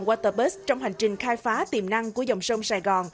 các khách sạn sài gòn water bus trong hành trình khai phá tiềm năng của dòng sông sài gòn